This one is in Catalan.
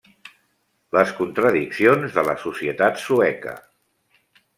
Les contradiccions de la societat sueca.